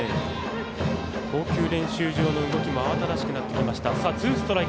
投球練習場の動きも慌ただしくなってきました。